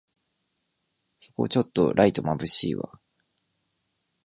そこちょっとライトまぶしいわ